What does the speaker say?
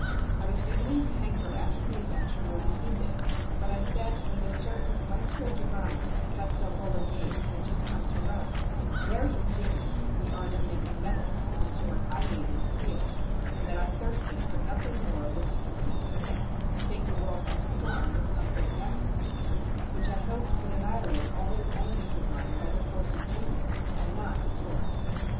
I was beginning to hanker after the adventure more than he did; but I said that a certain Maestro Giovanni of Castel Bolognese had just come to Rome, very ingenious in the art of making medals of the sort I made in steel, and that I thirsted for nothing more than to compete with him and take the world by storm with some great masterpiece, which I hoped would annihilate all those enemies of mine by the force of genius and not the sword.